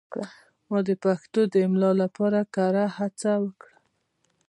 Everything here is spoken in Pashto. ما د پښتو د املا لپاره کره هڅه وکړه.